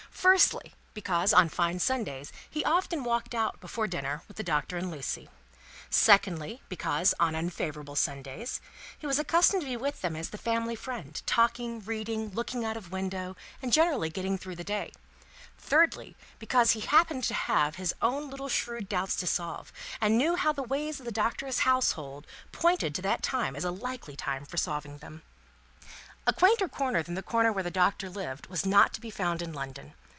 Firstly, because, on fine Sundays, he often walked out, before dinner, with the Doctor and Lucie; secondly, because, on unfavourable Sundays, he was accustomed to be with them as the family friend, talking, reading, looking out of window, and generally getting through the day; thirdly, because he happened to have his own little shrewd doubts to solve, and knew how the ways of the Doctor's household pointed to that time as a likely time for solving them. A quainter corner than the corner where the Doctor lived, was not to be found in London.